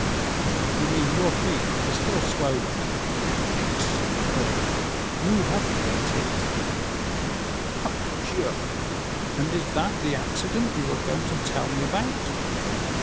"You mean your feet were still swollen?" "Exactly; you have hit it." "Pardieu! And is that the accident you were going to tell me about?"